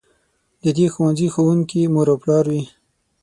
د دې ښوونځي ښوونکي مور او پلار وي.